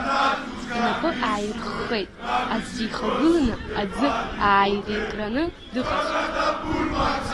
Инапы ааирххеит, аӡә дихагыланы аӡы ааииркраны дыҟазшәа.